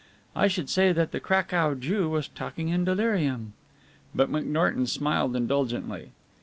I should say that the Cracow Jew was talking in delirium." But McNorton smiled indulgently.